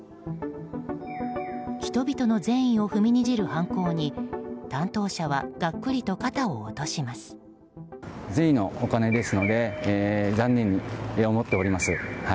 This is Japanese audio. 人々の善意を踏みにじる犯行に担当者はがっくりと肩を落とします。